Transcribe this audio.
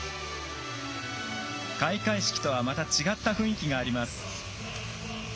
開会式とはまた違った雰囲気があります。